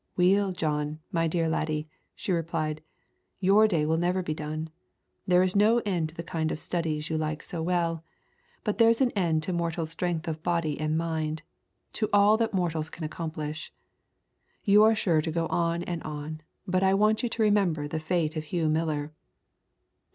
'Weel, John, my dear laddie,' she re plied, 'your day will never be done. There is no end to the kind of studies you like so well, { xvii ] Introduction but there's an end to mortals' strength of body and mind, to all that mortals can accomplish. You are sure to go on and on, but I want you to remember the fate of Hugh Miller.